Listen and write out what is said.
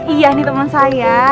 iya nih temen saya